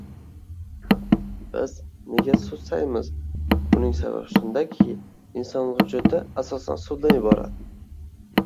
Biz nega suvsaymiz? Buning sababi shundaki, inson vujudi asosan suvdan iborat